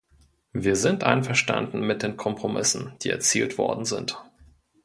Wir sind einverstanden mit den Kompromissen, die erzielt worden sind.